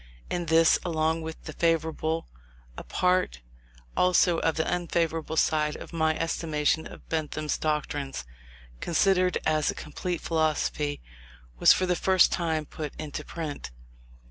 In this, along with the favourable, a part also of the unfavourable side of my estimation of Bentham's doctrines, considered as a complete philosophy, was for the first time put into print.